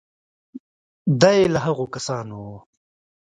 دی له هغو کسانو و.